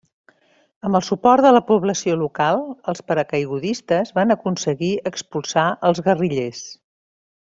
Amb el suport de la població local, els paracaigudistes van aconseguir expulsar els guerrillers.